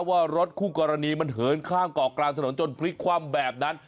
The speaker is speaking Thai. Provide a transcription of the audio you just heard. ว่ารถคู่กรณีมันเหินข้ามเกาะกลางถนนจนพลิกคว่ำแบบนั้น